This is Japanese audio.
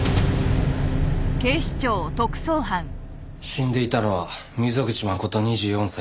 死んでいたのは溝口誠２４歳アルバイト。